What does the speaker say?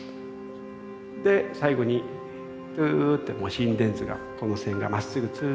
で最後にプーッてもう心電図がこの線がまっすぐツーッとなりました。